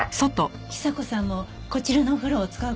久子さんもこちらのお風呂を使う事はありますか？